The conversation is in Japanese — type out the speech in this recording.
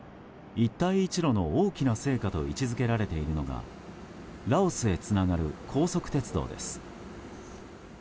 一帯一路の大きな成果と位置付けられているのがラオスへつながる高速鉄道です。